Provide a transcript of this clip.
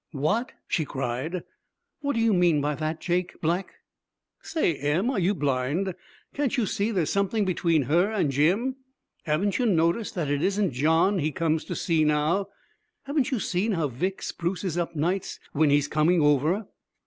'What?' she cried. 'What do you mean by that, Jake Black?' 'Say, Em, are you blind? Can't you see there's something between her and Jim? Haven't you noticed that it isn't John he comes to see now? Haven't you seen how Vic spruces up nights when, he's coming over?'